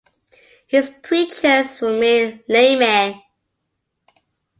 His preachers were mere laymen.